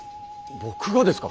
僕がですか！？